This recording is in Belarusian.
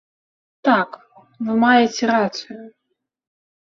Так, вы маеце рацыю.